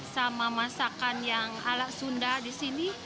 sama masakan yang ala sunda disini